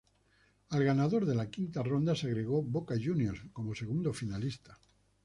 Al ganador de la quinta ronda se agregó Boca Juniors, como segundo finalista.